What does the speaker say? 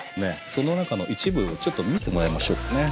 その中の一部をちょっと見てもらいましょうかね。